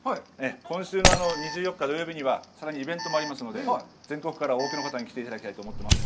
今週の２４日土曜日にはさらにイベントがありますので、全国から多くの方に来ていただきたいと思っています。